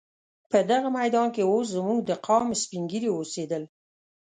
په دغه میدان کې اوس زموږ د قام سپین ږیري اوسېدل.